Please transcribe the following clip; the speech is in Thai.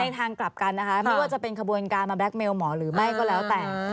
ทางกลับกันนะคะไม่ว่าจะเป็นขบวนการมาแกล็คเมลหมอหรือไม่ก็แล้วแต่